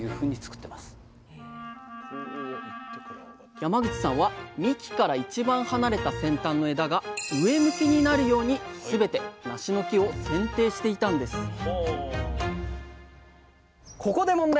山口さんは幹から一番離れた先端の枝が上向きになるようにすべてなしの木をせんていしていたんですえ？